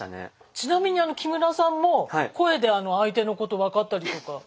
ちなみに木村さんも声で相手のこと分かったりとか。